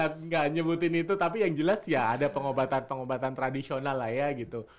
nggak nyebutin itu tapi yang jelas ya ada pengobatan pengobatan tradisional lah ya gitu